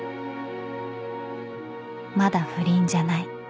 ［まだ不倫じゃない］